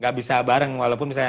gak bisa bareng walaupun misalnya